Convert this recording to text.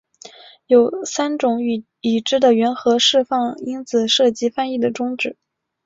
有三种已知的原核释放因子涉及翻译的终止。